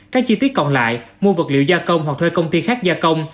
các chi tiết còn lại mua vật liệu gia công hoặc thuê công ty khác gia công